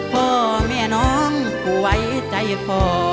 พ่อแม่น้องก็ไว้ใจพอ